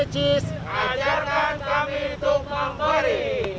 hei cis ajarkan kami tukang pari